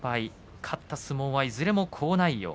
勝った相撲はいずれも好内容。